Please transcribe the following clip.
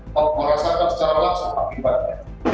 merasakan secara langsung akibatnya